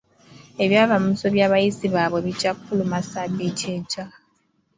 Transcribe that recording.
Ebyava mu bibuuzo by'abayizi baabwe bijja kufuluma sabbiiti ejja.